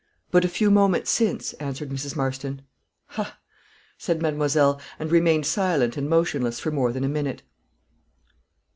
"But a few moments since," answered Mrs. Marston. "Ha," said mademoiselle, and remained silent and motionless for more than a minute.